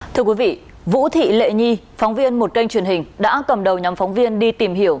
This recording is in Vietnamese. thưa quý vị vũ thị lệ nhi phóng viên một kênh truyền hình đã cầm đầu nhóm phóng viên đi tìm hiểu